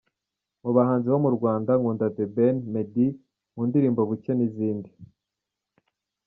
Mu bahanzi bo mu Rwanda, nkunda The Ben, Meddy mu ndirimbo Bucye n’izindi.